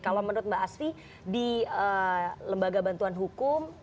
kalau menurut mbak asfi di lembaga bantuan hukum